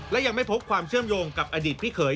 และยังไม่พบความเชื่อมโยงกับอดีตพี่เขย